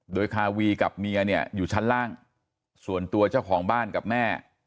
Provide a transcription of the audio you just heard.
โดยคาวีกับเมียเนี่ยอยู่ชั้นล่างส่วนตัวเจ้าของบ้านกับแม่